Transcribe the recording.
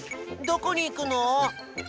どこにいくの？